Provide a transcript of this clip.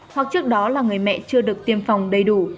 hoặc trước đó là người mẹ chưa được tiêm phòng đầy đủ